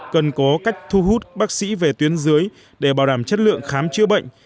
cần có cách thu hút bác sĩ về tuyến dưới để bảo đảm chất lượng khám chữa bệnh